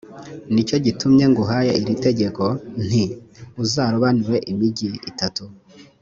ni cyo gitumye nguhaye iri tegeko, nti «uzarobanure imigi itatu.»